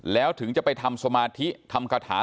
แล้วถึงจะไปทำสมาธิทำคาถา